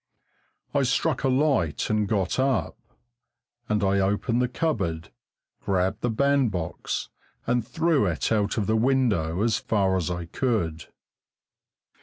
I struck a light and got up, and I opened the cupboard, grabbed the bandbox and threw it out of the window, as far as I could.